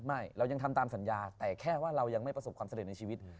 ไม่เรายังทำตามสัญญาแต่แค่ว่าเรายังไม่ประสบความสำเร็จในชีวิต